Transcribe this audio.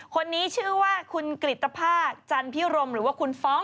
คนนี้ชื่อว่าคุณกริตภาคจันพิรมหรือว่าคุณฟ้อง